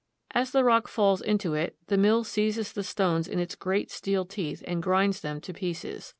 As the rock falls into it, the mill seizes the stones in its great steel teeth and grinds them to pieces.